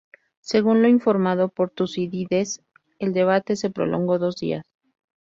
Según lo informado por Tucídides, el debate se prolongó dos días.